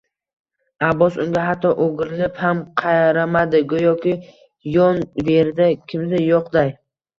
Abbos unga hatto o`girilib ham qaramadi, go`yoki yon-verida kimsa yo`qday